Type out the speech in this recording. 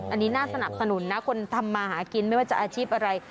อันนี้น่าสนับสนุนนะคนทำมาหากินไม่ว่าจะอาชีพอะไร